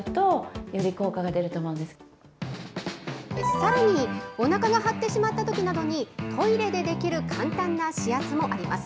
さらに、おなかが張ってしまったときなどに、トイレでできる簡単な指圧もあります。